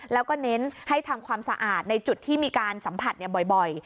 แล้วก็เน้นให้ทำความสะอาดในจุดที่มีการสัมผัสบ่อย